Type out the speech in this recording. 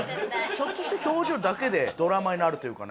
ちょっとした表情だけでドラマになるというかね。